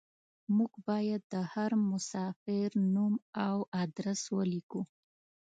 موږ بايد د هر مساپر نوم او ادرس وليکو.